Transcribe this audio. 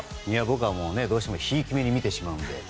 僕はどうしてもひいき目に見てしまうので。